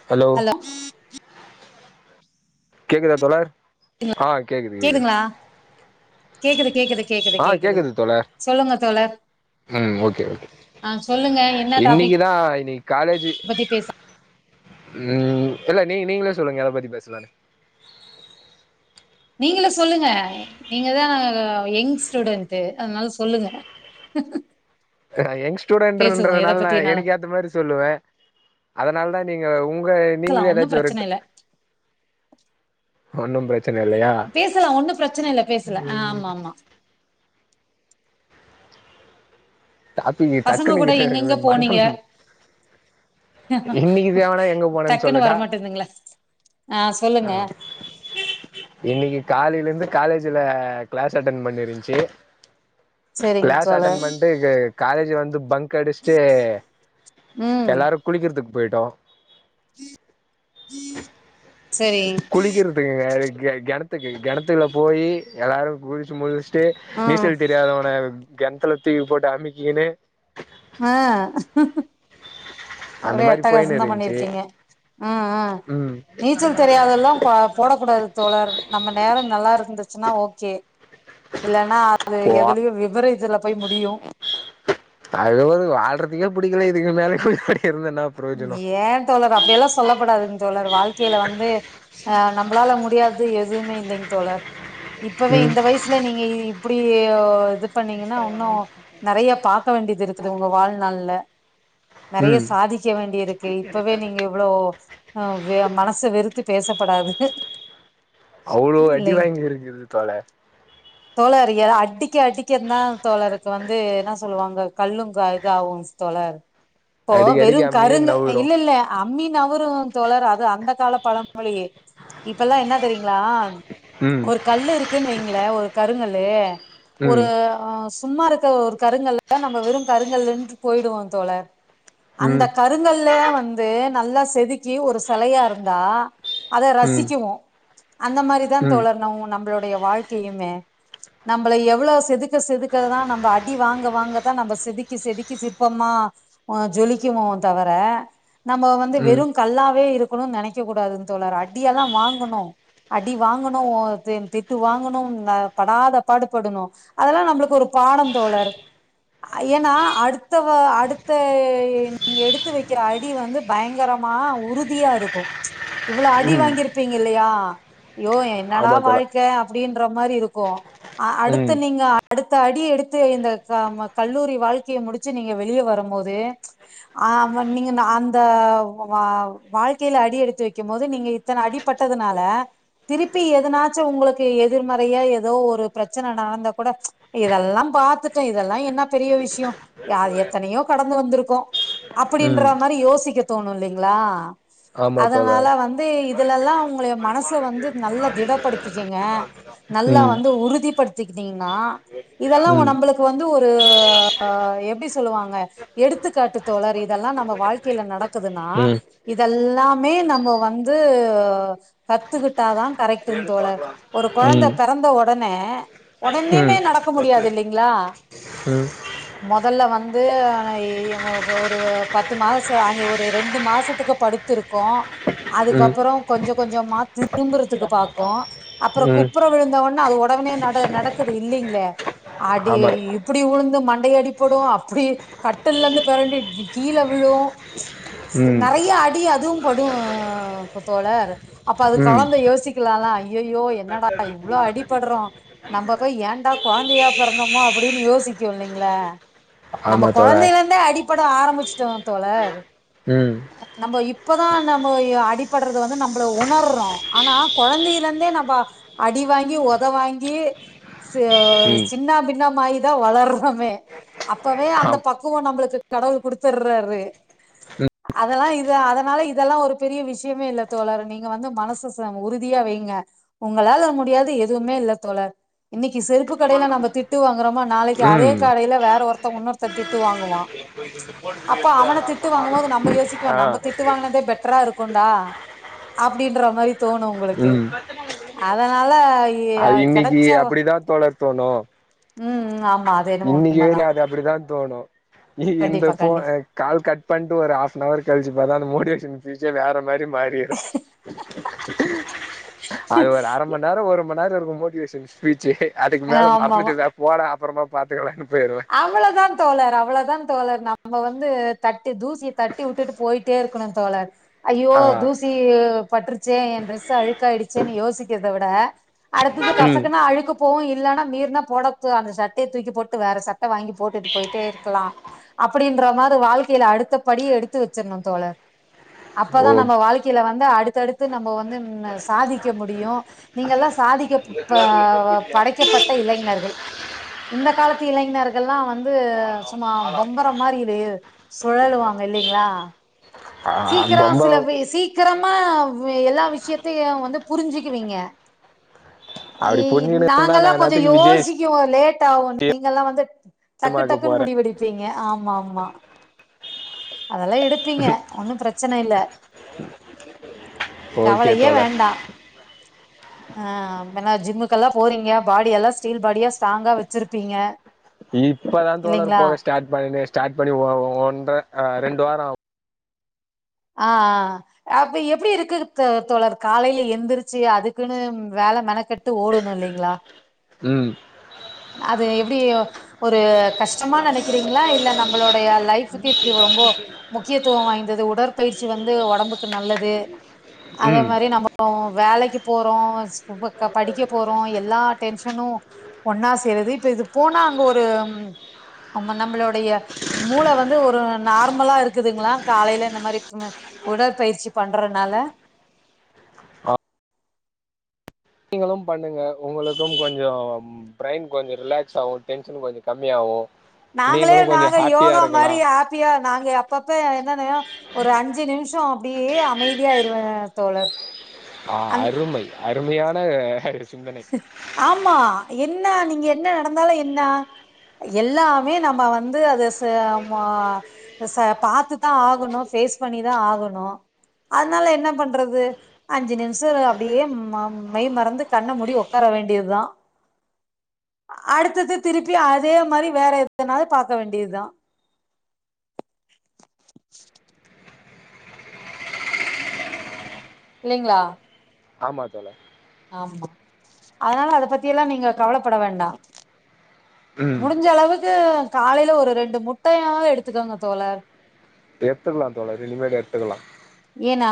hello கேக்குதா தல ஆ கேக்குது கேக்குதுங்களா கேக்குது கேக்குது கேக்குது ஆ கேக்குது தோழர் சொல்லுங்க தோழர் ம் ஓகே ஓகே ஆ சொல்லுங்க என்ன டாபிக் இன்னைக்குதா இன்னைக்கி காலேஜு பத்தி பேச ம் இல்ல நீ நீங்களே சொல்லுங்க எத பத்தி பேசலான்னு நீங்களே சொல்லுங்க நீங்கதா யங் ஸ்டூடென்ட் அதனால சொல்லுங்க ஆம் ஹ அ யங் ஸ்டூடெண்டட்ன்றதுனால நா பத்தினாலு எனக்கு ஏத்த மாதிரி சொல்லுவே அதனால தா நீங்க உங்க க்லாம் நீங்களே ஒன்னு ஏதாச்சும் ஒரு பிரச்சன இல்ல ஒன்னும் பிரச்சன இல்லையா பேசலாம் ஒன்னு பிரச்சன இல்ல பேசலா ஆமா ஆமா டாபிக் பசங்க டக்குனு கூட எங்கெங்க போனீங்க மண்டம் இன்னைக்கு தேவனா எங்க போனேன்னு டக்குன்னு சொல்லட்டா வரமாட்டேங்குதுங்களே ஆ சொல்லுங்க இன்னைக்கு காலைலருந்து காலேஜ்ல க்ளாஸ் அட்டன் பண்ணிருந்துச்சு சரிங்க கிளாஸ் அட்டன் தோழர் பண்ட்டு காலேஜ் வந்து பங்க் அடிச்சுட்டு ம் எல்லாரு குளிக்கிறதுக்கு போய்ட்டோ உம் குளிக்கிறதுக்குங்க க கிணத்துக்கு கிணத்துல போயி எல்லாரு குளிச்சு முடிச்சு ட்டு ஆ நீச்சல் தெரியாதவன கிணத்துல தூக்கி போட்டு அமுக்கிகுன்னு ஆ அந்த ஒரே மாரி போயின்னு அட்டக்காசந் தா இருந்துச்சு பண்ணிருக்கீங்க ம் ம் நீச்சல் தெரியாதெல்லா ப போடக்கூடாது தோழர் நம்ம நேரோ நல்லாருந்துச்சுன்னா ஓகே இல்லன்னா அது போ எதுலயு விபரீதத்துல போய் முடியு அது ஒரு வாழ்றதுக்கே பிடிக்கல இதுக்கு மேலே எப்பிடி இருந்தேன்னாக போது ஏ தோழர் அப்படியெல்லா சொல்ல கூடாதுங்க தோழர் வாழ்க்கைல வந்து அ நம்மளால முடியாது எதுவுமே இல்லைங்க தோழர் இப்பவே ம் இந்த வயசுல நீங்க இப்டி அ இது இப்ப நீங்க இன்னு இன்னு நெறைய பார்க்க வேண்டியது இருக்குது உங்க வாழ்நாள்ல நெறைய ம் சாதிக்க வேண்டியது இருக்கு இப்பவே நீங்க இவ்ளோ அ மனச வெறுத்து பேசப்படாது அவ்ளோ அடி இல்லைங் வாங்கிருக்குது தோழர் தோழா இருக்கியா அடி க்க அடிக்கந்தா தோழருக்கு வந்து என்ன சொல்லுவாங்க கல்லுங் கா இதாவு தோழர் இப்போ அடிக்க அடிக்க வெறும் அம்மியு கருங்க நவுரு இல்லல்ல அம்மி நவுரு தோழர் அது அந்த கால பழ மொழி இப்பல்லா என்ன தெரியுங்களா ம் ஒரு கல்லு இருக் ன்னு வைங்கள ஒரு கருங்கல்லு ஒரு ம் ஆ சும்மா இருக்க ஒரு கருங்கல்ல நம்ம வெறு கருங்கல்லுன்ட்டு போயிடுவோ தோழர் அந்த ம் கருங்கல்ல வந்து நல்ல செதுக்கி ஒரு செலையா இருந்தா அத ம் ரசிக்குவோ அந்த மாரிதா ம் தோழர் நவ் நம்மளுடைய வாழ்க்கையுமே நம்பள எவ்வளோ செதுக்க செதுக்கதா நம்ப அடி வாங்க வாங்கதா நம்ம செதுக்கி செதுக்கி சிற்பமா ஆ ஜொலிக்குவோ தவர நம்ம வந்து ம் வெறு கல்லாவே இருக்கணுன்னு நெனைக்கக்கூடாதுங்க தோழர் அடியெல்லா வாங்கணு அடி வாங்கணு தே திட்டு வாங்கணும் ஆ படாத பாடு படணும் அதெல்லா நம்பளுக்கு ஒரு பாடம் தோழர் ஆ ஏன்னா அடுத்தவ அடுத்த நீங்க எடுத்து வக்கிற அடி வந்து பயங்கரமா உறுதியா இருக்கு இவ்ளோ அடி ம் வாங்கிரு ப்பீங்க இல்லையா ஐயோ என்னடா ஆமா தோழா வாழ்க்க அப்டின்ற மாரி இருக்கு ஆ அடுத்து ம் நீங்க அடுத்த அடி எடுத்து இந்த க ம கல்லூரி வாழ்க்கைய முடிச்சு நீங்க வெளிய வரும் போது ஆமா நீங்க ந அந்த வா வாழ்க்கையில அடி எடுத்து வைக்கும் போது நீங்க இத்தன அடிப்பட்டதுனால திருப்பி எதனாச்சு உங்களுக்கு எதிர்மறையா எதோ ஒரு பிரச்சன நடந்தா கூட இதெல்லா பாத்துட்டே இதெல்லா என்ன பெரிய விஷய யார் எத்தனயோ கடந்து வந்துருக்கோ ம் அப்டின்ற மாரி யோசிக்க தோணு இல்லிங்களா ஆமா அதனால தோழா வந் து இதுலல்லா உங்களய மன ச வந்து நல்ல திடப்படுத்திக்கங்க நல்லா ம் வந்து உறுதிப்படுத் திக்கிட்டீங்கன்னா இதெல்லா ஓ ம் நம்பளுக் வந்து ஒரு எப்டி சொல்லுவாங்க எடுத்துக்காட்டு தோழர் இதெல்லா நம்ம வாழ்க்கைல நடக்குதுன்னா ம் இதெல்லாமே நம்ம வந்து கத்துக்கிட்டாதா கரெக்ட்டுங் தோழர் ஒரு கொழந்த ம் பெறந்த ஒடனே ஒடனனே ம் நடக்க முடியாது இல்லிங்களா ம் மொதல்ல வந்து ஏ வப் ஒரு பத்து மாச அஞ்சி ஒரு ரெண்டு மாசத்துக்கு படுத்துருக்கோ ம் அதுக்கப்றோ கொஞ்ச கொஞ்சமா திரும்புறதுக்கு பாக்கு அப்றோ ம் குப்புற விழுந்தவொன்னே அது ஒடனே நட நடக்குது இல்லிங்களே அடி ஆமா இப் அப்டி உழுந்து மண்டைய அடிப்படு அப்டி கட்டிலருந்து பெரண்டு கீழ விழு ம் நெறைய அடி அதுவு படு தோழர் அப்ப அது ம் கொழந்த யோசிக்கலால ஐய்யய்யோ என்னடா இவ்ளோ அடிபட்றோ நம்ப போய் ஏண்டா கொழந்தையா பெறந்தோமோ அப்டினு யோசிக்கு இல்லிங்களா நம்ம ஆமா தோழா கொழந்தையிலேருந்தே அடிபட ஆரம்பிச்சுட்டோ தோழர் ம் நம்போ இப்பதா நம்போ யோ அடிபடுறது வந்து நம்பள உணர்றோ ஆனா கொழந்தையிலேருந்தே நம்ப அடி வாங்கி ஒத வாங்கி ச ம் சின்னா பின்னாமாயி தா வளர்றோமே அப்பவே அந்த ஆம் பக்குவ நம்பளுக்கு கடவுள் குடுத்துர்றாரு ம் அதெல்லா இது அதனால இதெல்லா ஒரு பெரிய விஷயமே இல்ல தோழர் நீங்க வந்து மனசு உறுதியா வைங்க உங்களால முடியாது எதுவுமே இல்ல தோழர் இன்னைக்கு செருப்பு கடையில நம்ம திட்டு வாங்குறோமா நாளைக்கு அதே ம் கடையில வேற ஒருத்த இன்னொருத்த திட்டு வாங்குவா அப்போ அவன திட்டு வாங்கு போது நம்ம யோசிக்லா ஆ நம்ம திட்டு வாங்னதே பெட்டரா இருக்குன்டா அப்டின்ற மாரி ம் அதனால அது இன்னைக்கு கெடச்ச அப்டிதா தோழர் தோணு ம் ம் ஆமா என்னமோ இன்னைக்கு உண்மதா வரியு அது அப்டித்தா தோணு இந்த கண்டிப்பா ஃபோ கண்டி [unintelligible] கால் கட் பண்ட்டு ஒரு ஆஃப்னவர் கழிச்சி பாத்தா அந்த மோட்டிவேஷன் மோட்டிவேஷன் வேற மாரி மாறிரு அது ஒரு அரமண்நேரோ ஒரு மண்நேர இருக்கு மோட்டிவேஷன் ஸ்பீச்சு அதுக்கு மேல ஆமாமா மறந்துட்டு போடா அப்புறமா பாத்துக்கலானு போயிருவ அவ்வளதா தோழர் அவ்வளதா தோழர் நம்ம வந்து தட்டி தூசிய தட்டி உட்டுட்டு போயிட்டே இருக்கணு தோழர் ஐயோ ஆ தூசி பட்டுருச்சே எ ட்ரெஸ் அழுக்காயிடுச்சேனு யோசிக்கிறத விட அடுத்தது ம் கசக்கனா அழுக்கு போ இல்லன்னா மீற்னா போடத்து அந்த சட்டய தூக்கி போட்டு வேற சட்ட வாங்கி போட்டுட்டு போயிட்டே இருக்கலா அப்டின்ற மாரி வாழ்க்கையில அடுத்தபடி எடுத்து வச்சர்னு தோழர் ஓ அப்பதா நம்ம வாழ் க்கையில வந்து அடுத்தடுத்து நம்ம வந்து சாதிக்க முடியு நீங்கல்லா சாதிக்க ப படைக்கப்பட்ட இளைஞர்கள் இந்த காலத்து இளைஞர் கள்ல்லா வந்து சும்மா பொம்பரோ மாரி சுழலுவாங்க இல்லைங்களா ஆ சீக்கரோ சில பம்பரம் பே சீ க்கரமா எல்லா விஷயத்தையு வந்து புரிஞ்சுக்குவீங்க அப்டி இ புரிஞ்சுக்கினு இருந்தா நா நாங்கல்லா கொஞ்சோ என்னாத்துக்கு விஜய் யோசிக்குவோ லேட் ஆவுன் நீங்கல்லா வந்து டக்கு சினிமாக்கு டக்குன்னு போறே முடிவெடிப்பீங்க ஆமா ஆமா அதெல்லா எடுப்பீங்க ஒன்னு பிரச்சன இல்ல ஓகே கவலையே தோழர் வேண்டா அ என்னா ஜிம்முக்குல்லா போறீங்க பாடியெல்லா ஸ்டீல் பாடியா ஸ்ட்ராங்கா வச்சிருப்பீங்க இப்பதா தோழர் இல்லைங்களா போக ஸ்டார்ட் பண்ணணே ஸ்டார்ட் பண்ணி ஒன்ற ரெண்டு வாரோ ஆ அ ஆ அப்ப எப்டி இருக்குர்க்கு தோழர் காலையில எந்திருச்சு அதுக்குன்னு வேல மெனக்கெட் டு ஓடனு இல்லைங்ளா ம் அது எப்டியோ ஒரு கஷ்டமா நெனைக்கிறீங்ளா இல்ல நம்மளோடைய லைஃப்க்கு இது ரொம்போ முக்கியத்துவோ வாய்ந்தது உடற்பயிற்சி வந்து ஒடம்புக்கு நல்லது அத ம் மாரி நம்ம வேலைக்கு போறோ படிக்க போறோ எல்லா டென்ஷனு ஒன்னா சேருது இப்ப இது போனா அங்க ஒரு நம்ம நம்மளுடைய மூள வந்து ஒரு நார்மலா இருக்குதுங்களா காலையில இந்த மாரி உடற்பயிற்சி பண்றனால ஆ நீங்களு பண்ணுங்க உங்களுக்கும் கொஞ்சம் பிரைன் கொஞ்சோ ரிலாக்ஸ் ஆவு டென்ஷன் கொஞ்சோ கம்மியாவு நாங்களே நாங்க யோகா மாரி ஹாப்பியா நாங்க அப்பப்ப என்னன்னயோ ஒரு அஞ்சு நிமிஷோ அப்டியே அமைதியாயிருவ தோழர் அ அந் அருமை அருமையான சிந்தனை ஆமா என்ன நீங்க என்ன நடந்தாலு என்ன எல்லாமே நம்ப வந்து அது ச மா ச பாத்துதா ஆகணு ஃபேஸ் பண்ணிதா ஆகணு அத்னால என்ன பண்றது அஞ்சு நிமிசோ அப்டியே ம மெய் மறந்து கண்ண முடி ஒக்கார வேண்டியதா அடுத்தது திருப்பி அதே மாரி வேற எத்னால பாக்க வேண்டிதா இல்லெங்ளா ஆமா தோழர் ஆமா அதனால அத பத்தி எல்லா நீங்க கவலப்பட வேண்டா ம் முடுஞ்ச அளவுக்கு காலேல ஒரு ரெண்டு முட்டயாவ்து எடுத்துக்கோங்க தோழர் எத்துக்லா தோழர் இனுமேலு எத்துக்கலா ஏனா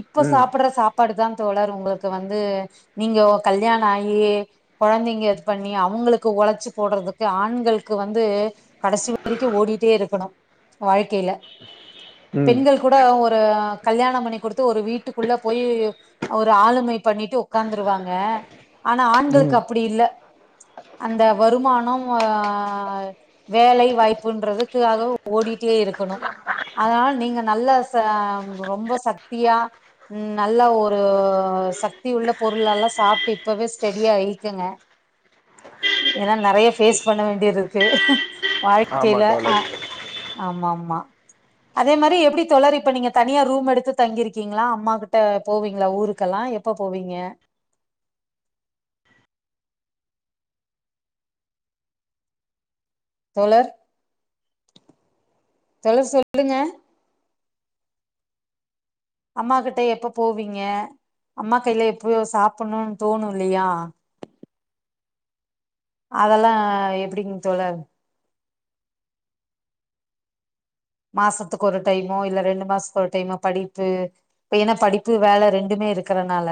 இப்ப சாப்புடுற சாப் பாடு தா தோழர் உங்களுக்கு வந்து நீங்க ஒ கல்யாணொ ஆயி கொழந்தெங்க இது பண்ணி அவ்ங்களுக்கு உழச்சு போடுறதுக்கு ஆண்களுக்கு வந்து கடசி வரைக்கு ஓடீட்டே இருக்கனு வாழ்க்கைல ம் பெண்கள் கூட ஒ ஒரு கல்யாணம் பண்ணிக் குடுத்து ஒரு வீட்டுக்குள்ள போயி ஒரு ஆளுமை பண்ணிட்டு உக்காந்துருவாங்க ஆனா ம் ஆண்களுக்கு அப்புடி இல்ல அந்த வருமானொம் ஆ வேலை வாய்ப்புன்றதுக்காக ஓடீட்டே இருக்கணு அதுனால நீங்க நல்ல சா சா ரொம்ப சக்தியா ம் நல்லா ஒரு சக்தி உள்ள பொருளல்லா சாப்ட்டு இப்பவே ஸ்டெடி ஆய்க்கங்க எனா நறையா ஃபேஸ் பண்ண வேண்டியது இருக்கு வாழ்க்கைல ஆமாம் அ தோழர் ஆமா ஆமா அதே மாரி எப்டி தொளரி இப்ப நீங்க தனியா ரூம் எடுத்து தங்கிருக்கீங்ளா அம்மா கிட்ட போவீங்களா ஊருக்கெல்லா எப்ப போவீங்க தோழர் தோழர் சொல்லுங்க அம்மா கிட்ட எப்ப போவிங்க அம்மா கைல எப்பயோ சாப்புட்ணு தோணு இல்லயா அதெல்லா எப்டிங் தோழர் மாசத்துக்கு ஒரு டைமோ இல்ல ரெண்டு மாசத்துக்கு ஒரு டைமா படிப்பு இப்ப எனா படிப்பு வேல ரெண்டுமே இருக்கறனால